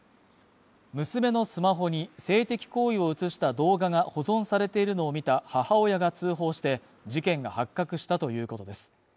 娘のスマホに性的行為を映した動画が保存されているのを見た母親が通報して事件が発覚したということです。